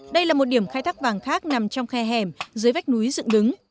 đây là một điểm khai thác vàng khác nằm trong khe hẻm dưới vách núi dựng đứng